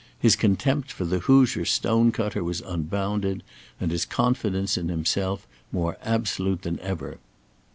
His contempt for the Hoosier Stone cutter was unbounded, and his confidence in himself more absolute than ever.